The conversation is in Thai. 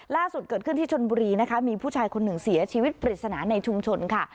ล่าสุดเกิดขึ้นที่ชนบุรีนะคะมีผู้ชายคนหนึ่งเสียชีวิตปริศนาในชุมชนค่ะ